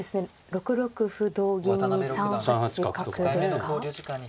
６六歩同銀に３八角ですか。